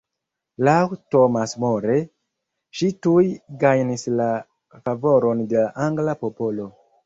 Laŭ Thomas More ŝi tuj gajnis la favoron de la angla popolo.